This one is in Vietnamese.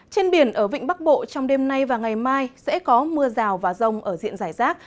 trên biển ở vịnh bắc bộ trong đêm nay và ngày mai sẽ có mưa rào và rông ở diện giải rác